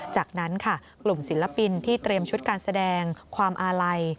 จากนั้นค่ะกลุ่มศิลปินที่เตรียมชุดการแสดงความอาลัย